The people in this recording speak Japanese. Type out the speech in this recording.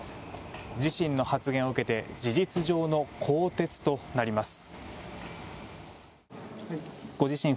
自身の発言を受けて事実上の更迭となります。